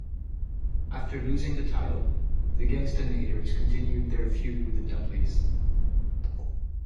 After losing the title, The Gangstanators continued their feud with the Dudleys.